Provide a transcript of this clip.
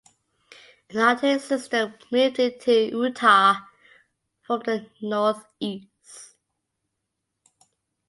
An Arctic system moved into Utah from the northeast.